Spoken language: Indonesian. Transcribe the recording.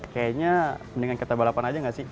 kayaknya mendingan kita balapan aja gak sih